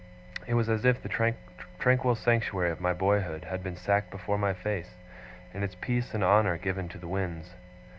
It was as if the tranquil sanctuary of my boyhood had been sacked before my face, and its peace and honour given to the winds.